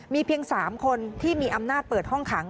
มีเพียง๓คนที่มีอำนาจเปิดห้องขัง